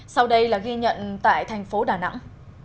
sau đây là ghi nhận tại thành phố đà nẵng